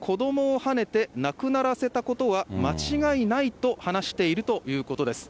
調べに対し福井容疑者は、左折中に子どもをはねて亡くならせたことは間違いないと話しているということです。